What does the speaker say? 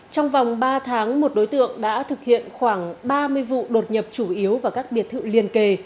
trong vòng ba tháng một đối tượng đã thực hiện khoảng ba mươi vụ đột nhập chủ yếu vào các biệt thự liền kề